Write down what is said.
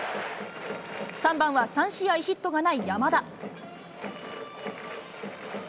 ３番は３試合ヒットがない山田。